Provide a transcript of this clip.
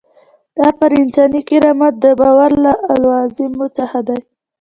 دا پر انساني کرامت د باور له لوازمو څخه دی.